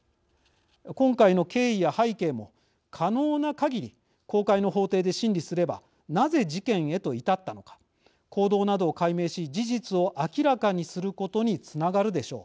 今回の経緯や背景も可能なかぎり公開の法廷で審理すればなぜ事件へと至ったのか行動などを解明し事実を明らかにすることにつながるでしょう。